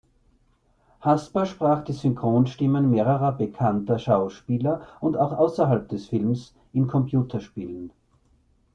Hasper sprach die Synchronstimmen mehrerer bekannter Schauspieler und auch außerhalb des Films in Computerspielen.